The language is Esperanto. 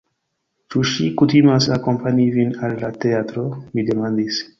Ĉu ŝi kutimas akompani vin al la teatro? mi demandis.